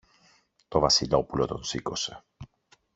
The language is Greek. Το Βασιλόπουλο τον σήκωσε.